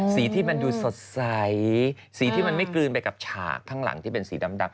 สีที่มันดูสดใสสีที่มันไม่กลืนไปกับฉากข้างหลังที่เป็นสีดำ